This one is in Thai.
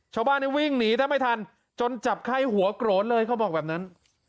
ชาวบ้านวิ่งหนีแทบไม่ทันจนจับไข้หัวโกรธเลยเขาบอกแบบนั้น